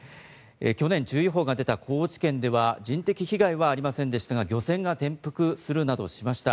去年注意報が出た高知県では人的被害はありませんでしたが漁船が転覆するなどしました。